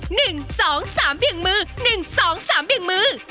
หนึ่งสองสามเพียงมือหนึ่งสองสามเบี่ยงมือ